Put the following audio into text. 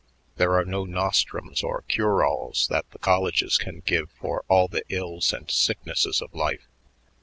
There are no nostrums or cure alls that the colleges can give for all the ills and sicknesses of life.